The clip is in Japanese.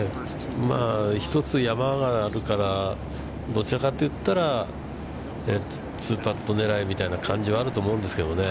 まあ、一つ山があるから、どちらかといったら、２パット狙いみたいな感じはあると思うんですけどね。